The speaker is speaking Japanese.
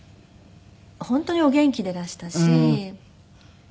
本当にお元気でいらしたし。